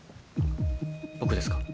僕ですか？